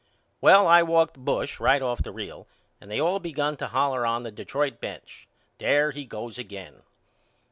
Well I walked Bush right off the real and they all begun to holler on the Detroit bench There he goes again.